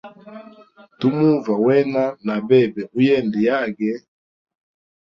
Tumuva wena na bebe uyende yage.